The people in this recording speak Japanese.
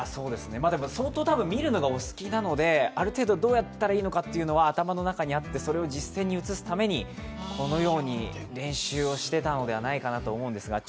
相当多分、見るのがお好きなんである程度どうやったらいいのかっていうのは、頭の中にあってそれを実戦に移すためにこのように練習をしていたのではないかと思うんですけど。